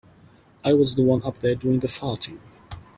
I was the one up there doing the farting.